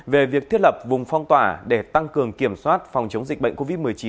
về việc thiết lập vùng phong tỏa để tăng cường kiểm soát phòng chống dịch bệnh covid một mươi chín